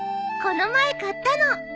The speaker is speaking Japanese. この前買ったの。